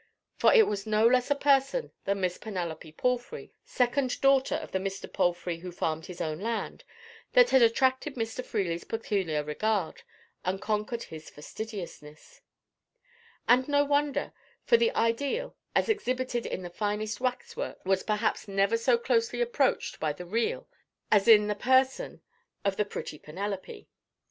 For it was no less a person than Miss Penelope Palfrey, second daughter of the Mr. Palfrey who farmed his own land, that had attracted Mr. Freely's peculiar regard, and conquered his fastidiousness; and no wonder, for the Ideal, as exhibited in the finest waxwork, was perhaps never so closely approached by the Real as in the person of the pretty Penelope.